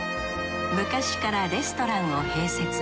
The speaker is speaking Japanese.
昔からレストランを併設。